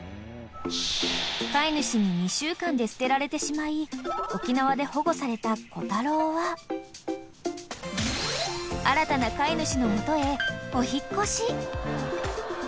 ［飼い主に２週間で捨てられてしまい沖縄で保護されたコタロウは新たな飼い主の元へ］